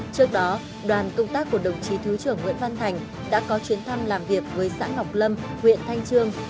trước đó đoàn công tác của đồng chí thứ trưởng nguyễn văn thành đã có chuyến thăm làm việc với xã ngọc lâm huyện thanh trương